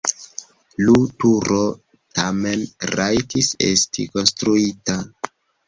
Lu turo tamen rajtis esti konstruita.